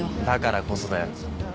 だからこそだよ。